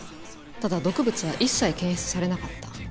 ただ毒物は一切検出されなかった。